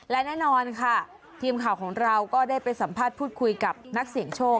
และแน่นอนค่ะทีมข่าวของเราก็ได้ไปสัมภาษณ์พูดคุยกับนักเสี่ยงโชค